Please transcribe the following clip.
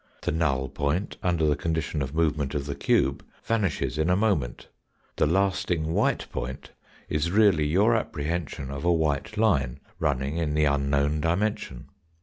The null point, under the condition of movement of the cube, vanishes in a moment, the lasting white point is really your apprehension of a white line, running in the unknown dimension.